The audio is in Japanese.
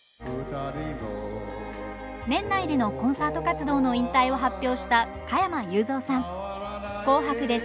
年内でのコンサート活動の引退を発表した加山雄三さん。